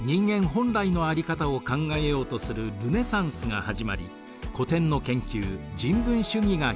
本来のあり方を考えようとするルネサンスが始まり古典の研究人文主義が広まります。